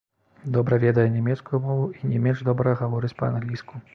Добра ведае нямецкую мову і не менш добра гаворыць па-англійску.